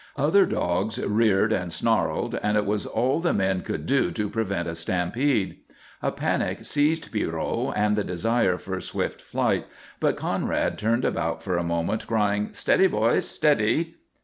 Other dogs reared and snarled, and it was all the men could do to prevent a stampede. A panic seized Pierrot and the desire for swift flight, but Conrad turned about for a moment, crying, "Steady, boys, steady!"